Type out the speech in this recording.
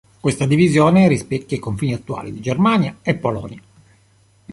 Questa divisione rispecchia i confini attuali di Germania e Polonia.